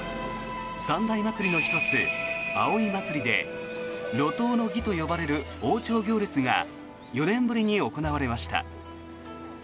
三大祭りの１つ、葵祭で路頭の儀と呼ばれる王朝行列が４年ぶりに行われました。